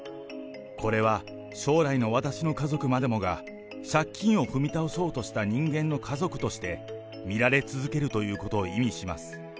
これは将来の私の家族までもが、借金を踏み倒そうとした人間の家族として見られ続けるということを意味します。